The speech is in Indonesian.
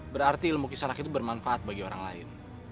berarti ilmu kisahak itu bermanfaat bagi orang lain